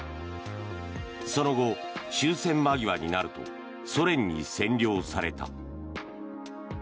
その後、終戦間際になるとソ連に占領された。